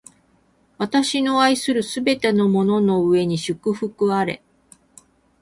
私の愛するすべてのものの上に祝福あれ！